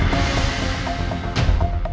tidak mungkin ada kesalahan